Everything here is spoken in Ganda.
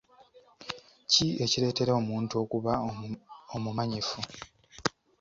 Ki ekireetera omuntu okuba omumanyifu?